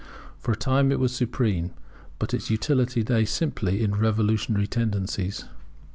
For a time it was supreme; but its utility lay simply in its revolutionary tendencies.